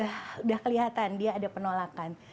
sudah kelihatan dia ada penolakan